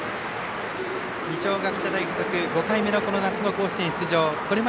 二松学舎大付属、５回目の夏の甲子園出場。